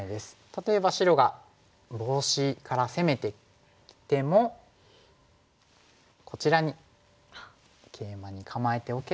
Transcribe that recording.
例えば白がボウシから攻めてきてもこちらにケイマに構えておけば。